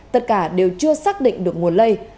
tất cả đều chưa xác định được nguồn lây